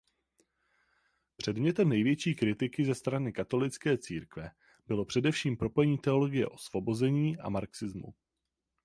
Předmětem největší kritiky ze strany katolické církve bylo především propojení teologie osvobození a marxismu.